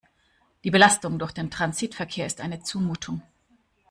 Die Belastung durch den Transitverkehr ist eine Zumutung.